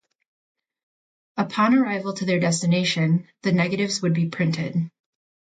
Upon arrival to their destination, the negatives would be printed.